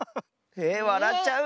えっわらっちゃう？